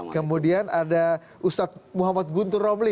kemudian ada ustadz muhammad guntur romli